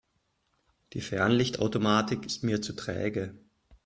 Die Fernlichtautomatik ist mir zu träge.